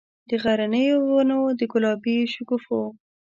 د غرنیو ونو، د ګلابي شګوفو،